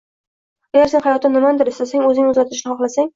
Agar sen hayotdan nimanidir istasang, o‘zingni o‘zgartirishni xohlasang